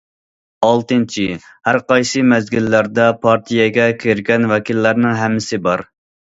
ئالتىنچى، ھەر قايسى مەزگىللەردە پارتىيەگە كىرگەن ۋەكىللەرنىڭ ھەممىسى بار.